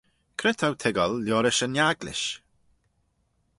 Cre t'ou toiggal liorish yn agglish?